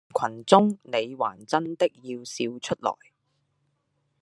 但人群中你還真的要笑出來